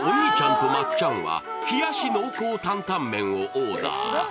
とまっちゃんは冷やし濃厚担々麺をオーダー。